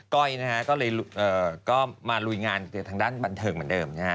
ก้อยก็เลยมาลุยงานทางด้านบันเทิงเหมือนเดิม